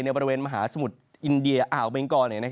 บริเวณมหาสมุทรอินเดียอ่าวเบงกอ